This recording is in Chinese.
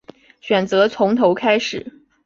选择从头开始